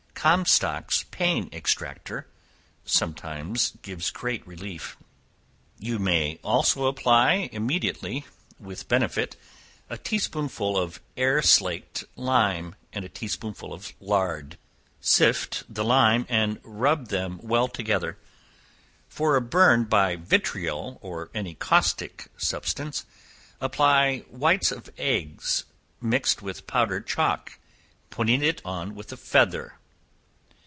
"Comstock's Pain Extractor" sometimes gives great relief; you may also apply immediately, with benefit, a tea spoonful of air slaked lime and a table spoonful of lard; sift the lime and rub them well together. For a burn by vitriol or any caustic substance, apply whites of eggs mixed with powdered chalk, putting it on with a feather.